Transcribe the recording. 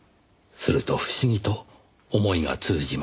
すると不思議と思いが通じました。